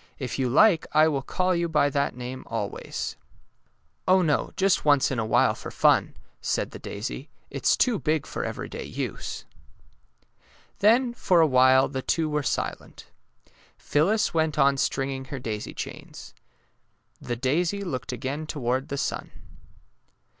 '' If you like I will call you by that name always." *^ Oh, no, just once in awhile for fun," said the daisy. ^^ It's too big for every day use." Then for awhile the two were silent. Phyl lis went on stringing her daisy chains. The daisy looked again toward the sun.